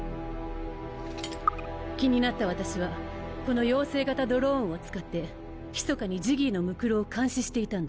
気になった私はこの妖精型ドローンを使ってひそかにジギーの骸を監視していたんだ。